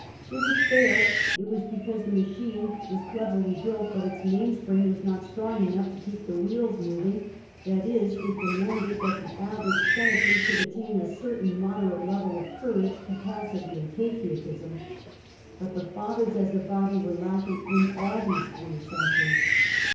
If it failed, it was because the machine was cleverly built, but its mainspring was not strong enough to keep the wheels moving, i.e. it demanded that the average senator should attain a certain moderate level of courage, capacity, and patriotism, — but the Fathers, as a body, were lacking in all these three essentials.